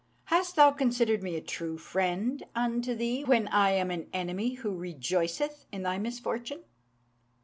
Hast thou considered me a true friend unto thee when I am an enemy who rejoiceth in thy misfortune?